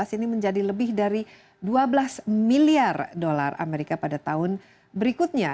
ini menjadi lebih dari dua belas miliar dolar amerika pada tahun berikutnya